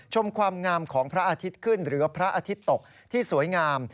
ชมความงามของพระอาทิตย์ขึ้นหรือพระอาทิตย์ตกที่สวยงาม